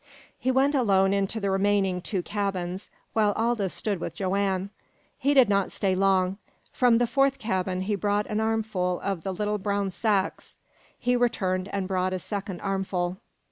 He went alone into the remaining two cabins, while Aldous stood with Joanne. He did not stay long. From the fourth cabin he brought an armful of the little brown sacks. He returned, and brought a second armful.